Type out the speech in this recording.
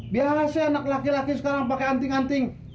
biasa anak laki laki sekarang pakai anting anting